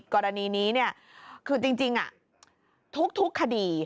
กรณีนี้คือจริงทุกคดี